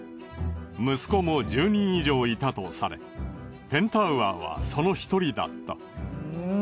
息子も１０人以上いたとされペンタウアーはその１人だった。